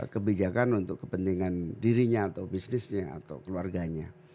kebijakan untuk kepentingan dirinya atau bisnisnya atau keluarganya